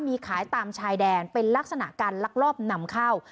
มีขายตามชายแดนเป็นลักษณะการลักลอบนำเข้า